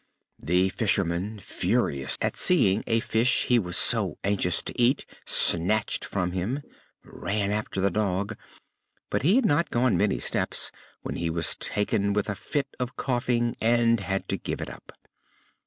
The fisherman, furious at seeing a fish he was so anxious to eat snatched from him, ran after the dog, but he had not gone many steps when he was taken with a fit of coughing and had to give it up.